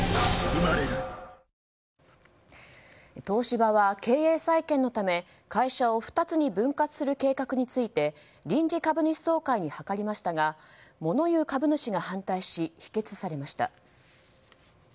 東芝は経営再建のため、会社を２つに分割する計画について臨時株主総会に諮りましたがモノ言う株主が反対し否決されました。